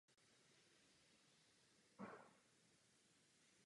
Od vysídlení německého obyvatelstva po druhé světové válce kaple trvale chátrala.